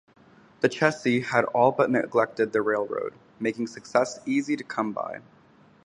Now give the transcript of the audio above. The Chessie had all but neglected the railroad, making success easy to come by.